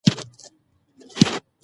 د جګړې وسلې تر نورو ساده وې.